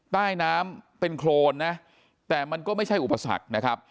ใต้น้ำเป็นโครนนะแต่มันก็ไม่ใช่อุปสรรคนะครับ